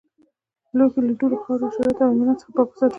لوښي له دوړو، خاورو، حشراتو او حیواناتو څخه پټ وساتئ.